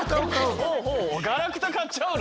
ほうほうガラクタ買っちゃうの？